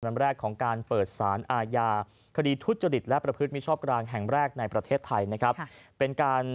วันแรกของการเปิดสารอาญาคดีทุจริตและประพฤติมิชอบกลางแห่งแรกในประเทศไทยนะครับเป็นการ